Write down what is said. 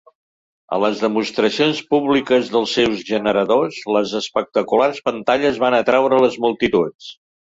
A les demostracions públiques dels seus generadors, les espectaculars pantalles van atraure les multituds.